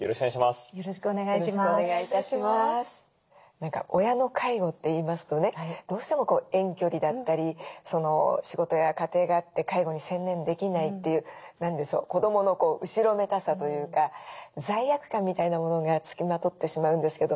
何か親の介護って言いますとねどうしても遠距離だったり仕事や家庭があって介護に専念できないという何でしょう子どもの後ろめたさというか罪悪感みたいなものがつきまとってしまうんですけど。